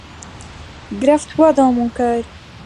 Grave-toi dans mon cœur !